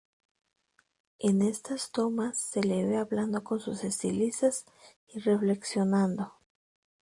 En estas tomas, se le ve hablando con sus estilistas y reflexionando.